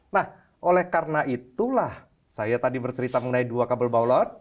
nah oleh karena itulah saya tadi bercerita mengenai dua kabel baulot